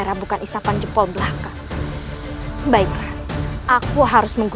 jangan sampai kau menyesal sudah menentangku